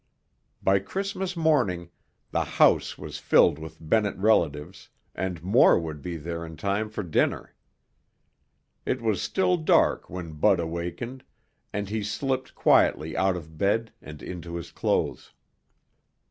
By Christmas morning the house was filled with Bennett relatives and more would be there in time for dinner. It was still dark when Bud awakened, and he slipped quietly out of bed and into his clothes.